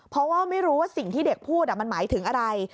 เพราะว่าไม่รู้ว่าสิ่งที่เด็กพูดมันหมายถึงอะไร